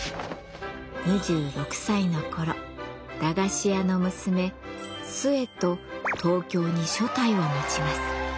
２６歳の頃駄菓子屋の娘寿衛と東京に所帯を持ちます。